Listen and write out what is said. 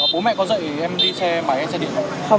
bố mẹ có dạy em đi xe máy hay xe điện không